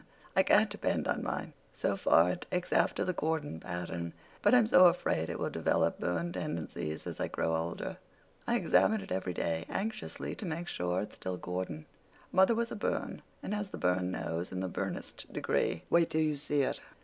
I can't depend on mine. So far, it takes after the Gordon pattern, but I'm so afraid it will develop Byrne tendencies as I grow older. I examine it every day anxiously to make sure it's still Gordon. Mother was a Byrne and has the Byrne nose in the Byrnest degree. Wait till you see it.